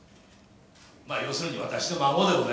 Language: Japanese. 要するに私の孫でございます」